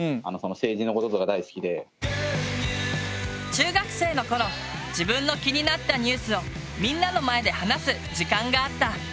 中学生の頃自分の気になったニュースをみんなの前で話す時間があった。